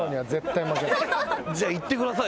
じゃあいってください